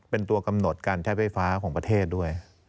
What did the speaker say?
เป็นตัวกำหนดการใช้ไฟฟ้าของประเทศด้วย